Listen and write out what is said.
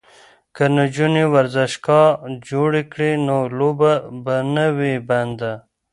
که نجونې ورزشگاه جوړ کړي نو لوبه به نه وي بنده.